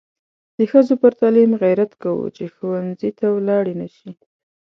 د ښځو پر تعلیم غیرت کوو چې ښوونځي ته ولاړې نشي.